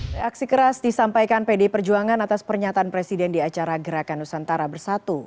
reaksi keras disampaikan pd perjuangan atas pernyataan presiden di acara gerakan nusantara bersatu